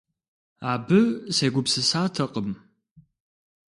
Абы сегупсысатэкъым.